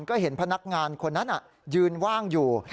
ก็เห็นพนักงานคนนั้นยืนว่างอยู่